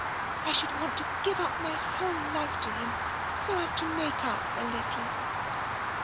I should want to give up my whole life to him, so as to make up a little."